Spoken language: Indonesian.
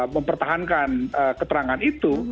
mempertahankan keterangan itu